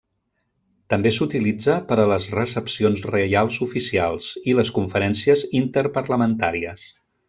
També s'utilitza per a les recepcions reials oficials i les conferències interparlamentàries.